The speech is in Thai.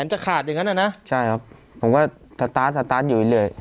จะขาดอย่างนั้นอ่ะนะใช่ครับผมก็สตาร์ทสตาร์ทอยู่เรื่อย